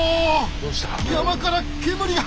山から煙が！